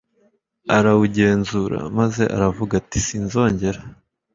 arawugenzura maze aravuga ati sinzongera